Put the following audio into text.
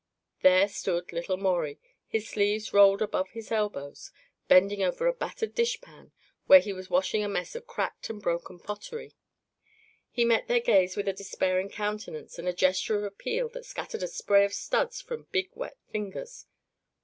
There stood little Maurie, sleeves rolled above his elbows, bending over a battered dishpan where he was washing a mess of cracked and broken pottery. He met their gaze with a despairing countenance and a gesture of appeal that scattered a spray of suds from big wet fingers.